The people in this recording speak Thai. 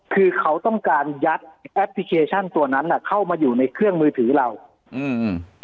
คือเขาต้องการยัดแอปพลิเคชันตัวนั้นน่ะเข้ามาอยู่ในเครื่องมือถือเราอืม